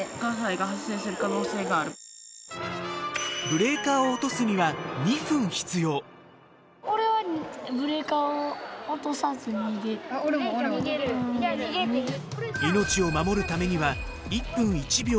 ブレーカーを落とすには命を守るためには１分１秒を争います。